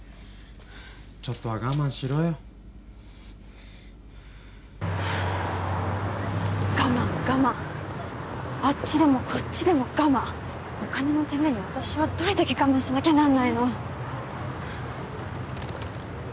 ちょっとは我慢しろよ我慢我慢あっちでもこっちでも我慢お金のために私はどれだけ我慢しなきゃなんないの？